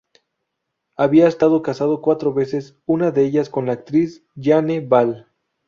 Había estado casado cuatro veces, una de ellas con la actriz Jane Val.